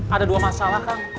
ada dua masalah kang